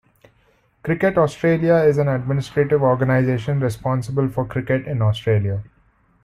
Cricket Australia is an administrative organisation responsible for cricket in Australia.